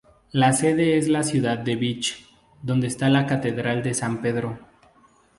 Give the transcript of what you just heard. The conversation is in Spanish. La sede es la ciudad de Vich, donde está la catedral de san Pedro.